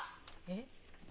えっ？